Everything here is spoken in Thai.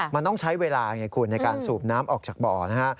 มันต้องใช้เวลาไงคุณในการสูบน้ำออกจากบ่อนะฮะ